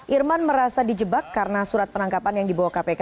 irman merasa dijebak karena surat penangkapan yang dibawa kpk